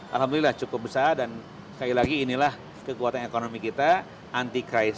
alhamdulillah cukup besar dan sekali lagi inilah kekuatan ekonomi kita anti krisis